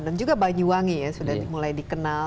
dan juga banyuwangi ya sudah mulai dikenal